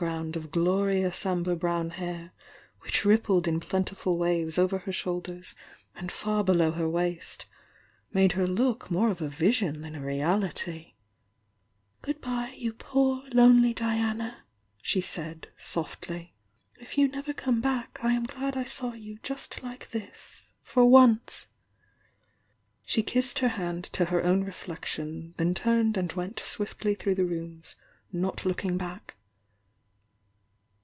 ound of XT ous amber brown hair, which rippled in plentiful waves over her shoulders and far below her waist made her look more of a vision than a rlality ' softlv "Tr' ^°" P""""' ^°"t'y °'''"«'"^^^ said, soltly. If you never come back I am glad I saW you just like this— for once!" t„l'i!i^''^'^ he. hand to her own reflection, then turned and went swiftly through the rooms not lookmg back.